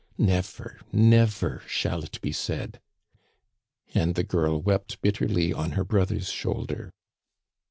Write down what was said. Never, never shall it be said !" And the girl wept bitterly on her brother's shoulder.